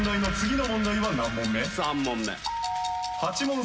３問目。